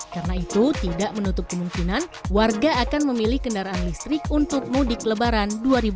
karena itu tidak menutup kemungkinan warga akan memilih kendaraan listrik untuk mudik lebaran dua ribu dua puluh tiga